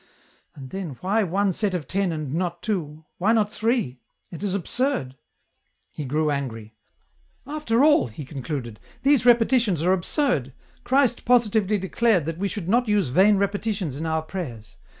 and then why one set of ten and not two, why not three ? it is absurd !" He grew angry ;" After all," he concluded, *' these lepetitions are absurd ; Christ positively declared that we should not use vain repetitions in our prayers.